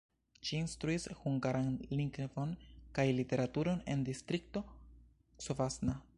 Ŝi instruis hungaran lingvon kaj literaturon en Distrikto Covasna.